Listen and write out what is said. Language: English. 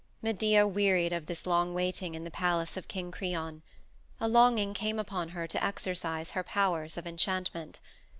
Medea wearied of this long waiting in the palace of King Creon. A longing came upon her to exercise her powers of enchantment.